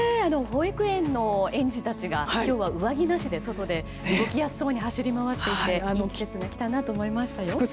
保育園の園児たちが今日は上着なしで外で動きやすそうに走り回っていていい季節が来たなと思いましたよ。